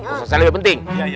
urusan saya lebih penting